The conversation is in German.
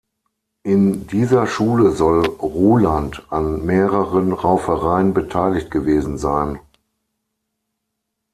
In dieser Schule soll Ruhland an mehreren Raufereien beteiligt gewesen sein.